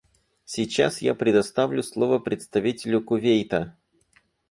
Сейчас я предоставляю слово представителю Кувейта.